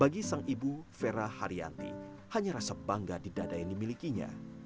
bagi sang ibu vera haryanti hanya rasa bangga didadaini milikinya